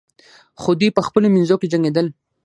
خو دوی په خپلو منځو کې جنګیدل.